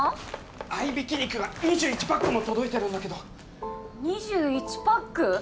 合い挽き肉が２１パックも届いてるんだけど２１パック！？